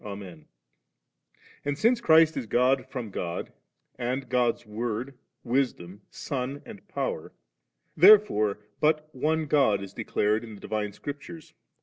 Amen*.' And since Christ is God from God, and God's Word, Wisdom, Son, and Power, therefore but One God is declared in the divine Scrip tures.